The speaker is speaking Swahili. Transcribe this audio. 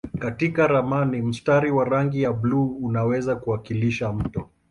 Katika ramani mstari wa rangi ya buluu unaweza kuwakilisha mto.